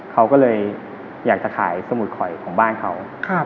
เขาก็เลยอยากจะขายสมุดข่อยของบ้านเขา